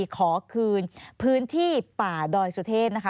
ขอคืนพื้นที่ป่าดอยสุเทพนะคะ